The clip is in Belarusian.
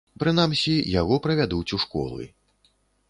Прынамсі, яго правядуць у школы.